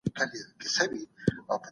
د مریدانو کي روان وو